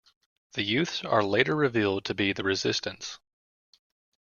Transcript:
The youths are later revealed to be the Resistance.